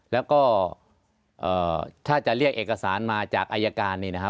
และถ้าจะเรียกเอกสารมาจากอัยการเลย